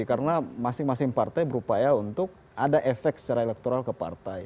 karena masing masing partai berupaya untuk ada efek secara elektoral ke partai